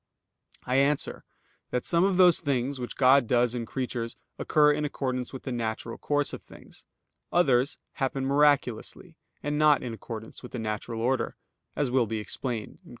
I answer that, Some of those things which God does in creatures occur in accordance with the natural course of things; others happen miraculously, and not in accordance with the natural order, as will be explained (Q.